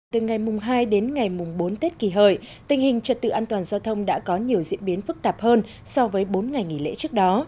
từ ngày mùng hai đến ngày mùng bốn tết kỳ hợi tình hình trật tự an toàn giao thông đã có nhiều diễn biến phức tạp hơn so với bốn ngày nghỉ lễ trước đó